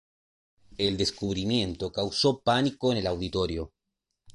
El descubrimiento causó pánico en el auditorio.